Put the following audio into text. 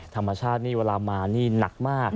ธรรมชาตินี่เวลามานี่หนักมาก